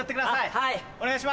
はい。